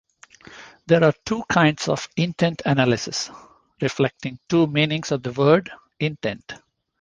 There are two kinds of "intent analysis", reflecting two meanings of the word "intent".